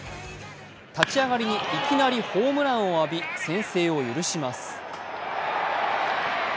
立ち上がりにいきなりホームランを浴び、先制を許します。